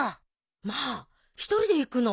まあ１人で行くの？